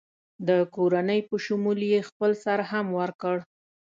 د کورنۍ په شمول یې خپل سر هم ورکړ.